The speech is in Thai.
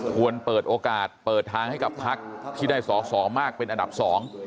ควรเปิดโอกาสเปิดทางให้กับพักที่ได้สอสอมากเป็นอันดับสอง